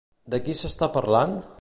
De qui s'està parlant?